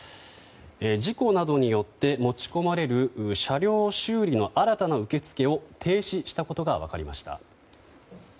事故などによって持ち込まれる車両修理の新たな受け付けを停止したことが分かりました。